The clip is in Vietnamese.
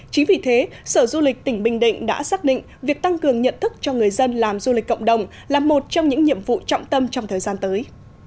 chính vì thế sở du lịch tỉnh bình định đã xác định việc tăng cường nhận thức cho người dân làm du lịch cộng đồng là một trong những nhiệm vụ trọng tâm trong thời gian tới